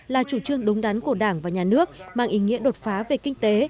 là chủ trương đúng đắn của đảng và nhà nước mang ý nghĩa đột phá về kinh tế